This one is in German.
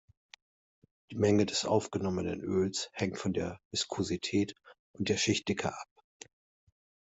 Die Menge des aufgenommenen Öls hängt von der Viskosität und der Schichtdicke ab.